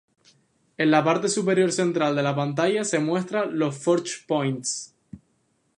En la parte superior central de la pantalla se muestra los "Forge Points".